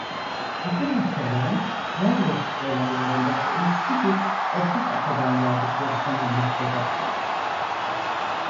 Bütün hastaların Norveç dolaylarındaki eski bir ortak atadan geldikleri sanılmaktadır.